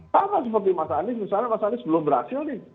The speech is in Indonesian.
sama seperti mas anies misalnya mas anies belum berhasil nih